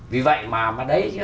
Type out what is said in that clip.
vì vậy mà mà đấy